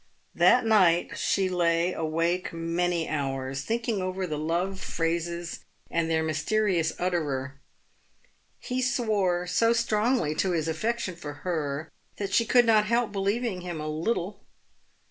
That night she lay awake many hours, thinking over the love phrases and their mysterious utterer. He swore so strongly to his affection for her that she could not help believing him a little.